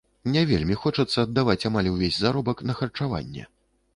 Не вельмі хочацца аддаваць амаль увесь заробак на харчаванне.